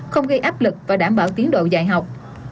không gây áp lực và đảm bảo tiến độ dạy học